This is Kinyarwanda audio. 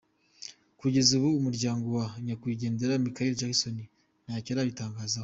Kugeza ubu umuryango wa Nyakwigendera Michael Jackson ntacyo urabitangazaho.